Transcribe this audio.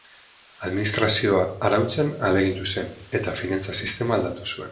Administrazioa arautzen ahalegindu zen, eta finantza-sistema aldatu zuen.